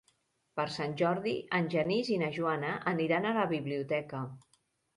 Per Sant Jordi en Genís i na Joana aniran a la biblioteca.